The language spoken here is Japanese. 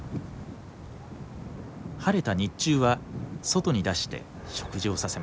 晴れた日中は外に出して食事をさせます。